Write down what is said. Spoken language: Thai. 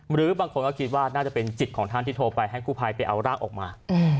หรือบางคนก็คิดว่าน่าจะเป็นจิตของท่านที่โทรไปให้กู้ภัยไปเอาร่างออกมา